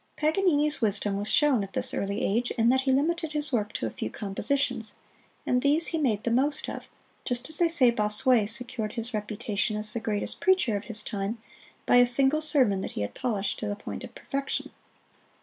Paganini's wisdom was shown at this early age in that he limited his work to a few compositions, and these he made the most of, just as they say Bossuet secured his reputation as the greatest preacher of his time by a single sermon that he had polished to the point of perfection.